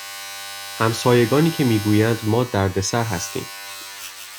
همسایگانی که می گویند ما دردسر هستیم